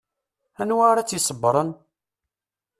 Anwa ara t-iṣebbren?